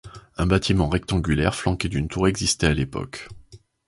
Un bâtiment rectangulaire, flanqué d'une tour existait à l'époque.